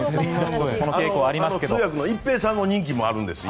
通訳の一平さんも人気があるんです。